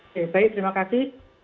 oke baik terima kasih